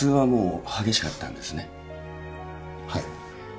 はい。